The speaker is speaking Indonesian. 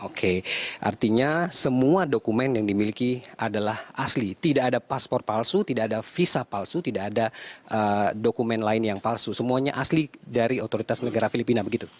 oke artinya semua dokumen yang dimiliki adalah asli tidak ada paspor palsu tidak ada visa palsu tidak ada dokumen lain yang palsu semuanya asli dari otoritas negara filipina begitu